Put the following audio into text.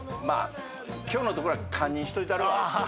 まあ今日のところは堪忍しといたるわ。